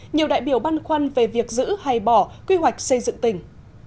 nhiều đại biểu băn khoăn về việc giữ hay bỏ quy hoạch xây dựng tỉnh